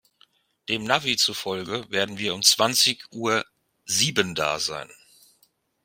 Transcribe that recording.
Dem Navi zufolge werden wir um zwanzig Uhr sieben da sein.